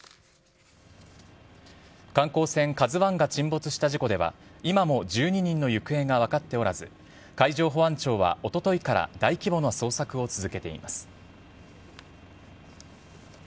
ＫＡＺＵＩが沈没した事故では、今も１２人の行方が分かっておらず、海上保安庁はおとといから大規模な捜索を続けています。